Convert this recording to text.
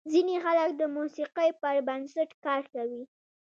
ځینې خلک د موسیقۍ پر بنسټ کار کوي.